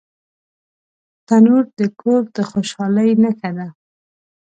تنور د کور د خوشحالۍ نښه ده